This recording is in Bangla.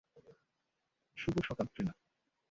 শুভ সকাল, ট্রিনা।